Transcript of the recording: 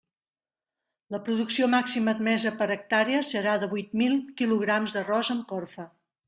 La producció màxima admesa per hectàrea serà de huit mil quilograms d'arròs amb corfa.